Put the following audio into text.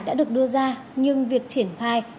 đã được đưa ra nhưng việc triển khai